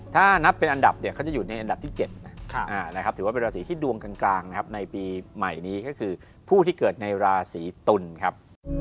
ถ้านับเป็นอันดับเนี่ยเขาจะอยู่ในอันดับที่๗นะถือว่าเป็นราศีที่ดวงกลางนะครับในปีใหม่นี้ก็คือผู้ที่เกิดในราศีตุลครับ